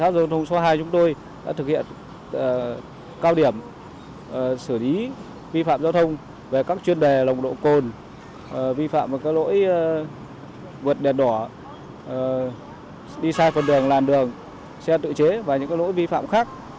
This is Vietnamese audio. đồng độ cồn vi phạm các lỗi vượt đèn đỏ đi sai phần đường làn đường xe tự chế và những lỗi vi phạm khác